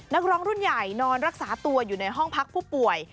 นักร้องรุ่นใหญ่นอนรักษาตัวอยู่ในห้องพักผู้ป่วย